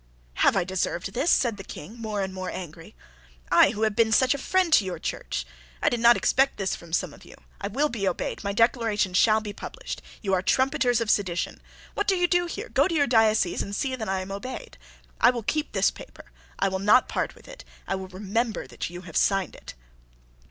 "Have I deserved this?" said the King, more and more, angry, "I who have been such a friend to your Church! I did not expect this from some of you. I will be obeyed. My Declaration shall be published. You are trumpeters of sedition. What do you do here? Go to your dioceses and see that I am obeyed. I will keep this paper. I will not part with it. I will remember you that have signed it."